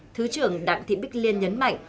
thứ trưởng đặng thị bích liên nhấn mạnh